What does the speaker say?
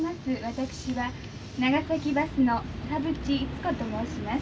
私は長崎バスの田渕溢子と申します。